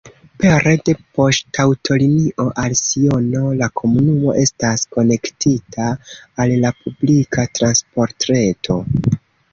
Pere de poŝtaŭtolinio al Siono la komunumo estas konektita al la publika transportreto.